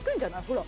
ほら。